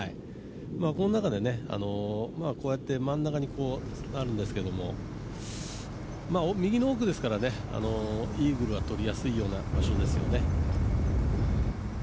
この中で真ん中にあるんですけど右の奥ですからね、イーグルはとりやすいような場所ですよね。